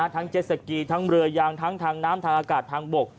ทั้งเจ็ดสกีทั้งเรือยางทั้งทางน้ำทางอากาศทางบก